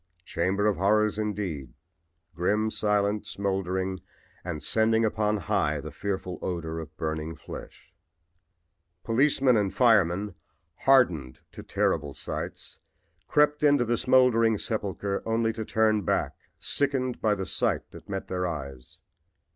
Chamber of horrors indeed grim, silent, smoldering and sending upon high the fearful odor of burning flesh. Policemen and firemen, hardened to terrible sights, crept into the smoldering sepulchre only to turn back sickened by the sight that met their eyes.